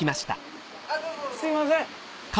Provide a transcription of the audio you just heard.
すいません。